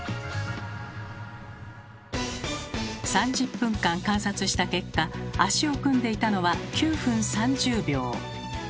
３０分間観察した結果足を組んでいたのは９分３０秒。